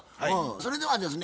それではですね